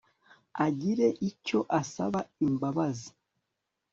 agire icyo asaba imbabazi